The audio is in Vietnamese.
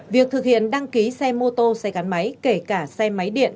việc thực hiện đăng ký xe mô tô xe gắn máy kể cả xe máy điện